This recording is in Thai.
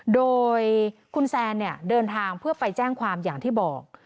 โดยคุณแซนเนี่ยเดินทางเพื่อไปแจ้งความอย่างที่บอก